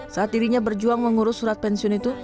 saat dirinya berjuang mengurus surat pensiun itu